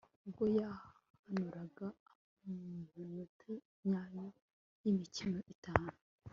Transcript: ubwo yahanuraga amanota nyayo yimikino itanu